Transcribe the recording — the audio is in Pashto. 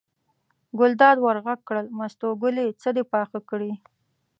ګلداد ور غږ کړل: مستو ګلې څه دې پاخه کړي.